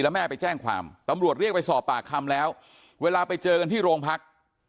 แล้วแม่ไปแจ้งความตำรวจเรียกไปสอบปากคำแล้วเวลาไปเจอกันที่โรงพัก